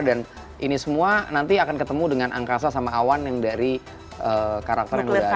dan ini semua nanti akan ketemu dengan angkasa sama awan yang dari karakter yang udah ada